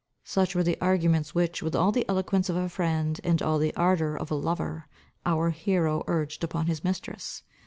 Such were the arguments, which, with all the eloquence of a friend, and all the ardour of a lover, our hero urged upon his mistress.